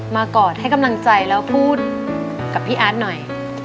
กอดให้กำลังใจแล้วพูดกับพี่อาร์ตหน่อย